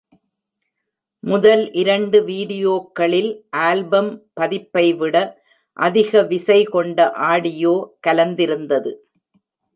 முதல் இரண்டு வீடியோக்களில் ஆல்பம் பதிப்பை விட அதிக விசை கொண்ட ஆடியோ கலந்திருந்தது.